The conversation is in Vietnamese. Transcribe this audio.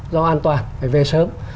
do an toàn phải về sớm